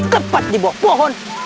tempat di bawah pohon